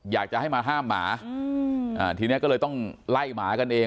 อยากจะให้มาห้ามหมาทีนี้ก็เลยต้องไล่หมากันเอง